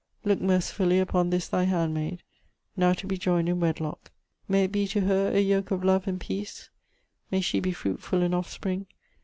look mercifully upon this thy handmaid. ... now to be joined in wedlock.... May it be to her a yoke of love and peace.... May she be fruitful in offspring